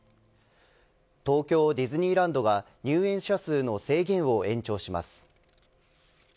東京ディズニーランドは入園者数の制限を延長します。